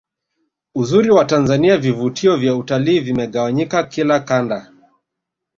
uzuri wa tanzania vivutio vya utalii vimegawanyika kila Kanda